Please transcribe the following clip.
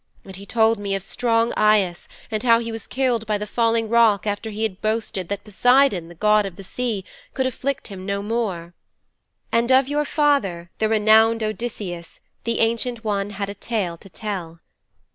And he told me of strong Aias and how he was killed by the falling rock after he had boasted that Poseidon, the god of the Sea, could afflict him no more. And of your father, the renowned Odysseus, the Ancient One had a tale to tell.